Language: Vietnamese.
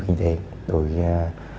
của kinh tế đối với